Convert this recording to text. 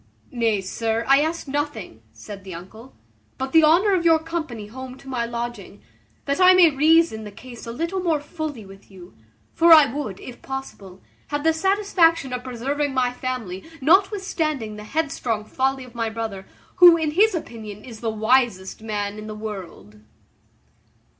"Nay, sir, I ask nothing," said the uncle, "but the honour of your company home to my lodging, that I may reason the case a little more fully with you; for I would, if possible, have the satisfaction of preserving my family, notwithstanding the headstrong folly of my brother, who, in his own opinion, is the wisest man in the world."